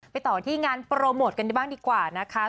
ต่อที่งานโปรโมทกันได้บ้างดีกว่านะคะ